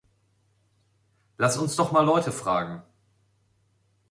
Lass uns doch mal Leute fragen.